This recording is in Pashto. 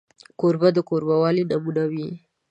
کوربه د کوربهوالي نمونه وي.